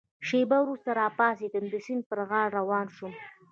شېبه وروسته را پاڅېدم، د سیند پر غاړه روان شوم.